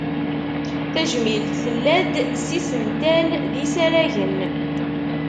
Tajmilt tella-d s yisental, d yisaragen.